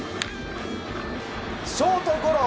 ショートゴロ！